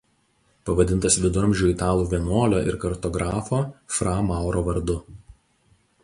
Pavadintas viduramžių italų vienuolio ir kartografo Fra Mauro vardu.